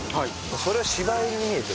それは芝居に見えて